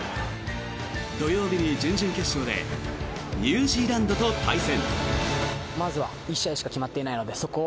土曜日に準々決勝でニュージーランドと対戦。